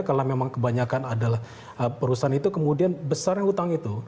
kalau memang kebanyakan adalah perusahaan itu kemudian besar yang hutang itu